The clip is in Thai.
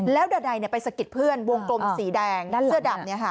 แล้วดันัยไปสะกิดเพื่อนวงกลมสีแดงเสื้อดำ